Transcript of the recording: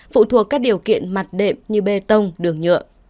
phụ thuộc các điều kiện mặt đệm như bê tông đường nhựa